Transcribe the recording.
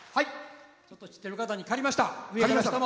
ちょっと知ってる方に借りました！